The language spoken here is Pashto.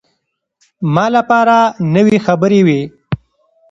ما لپاره نوې خبرې وې.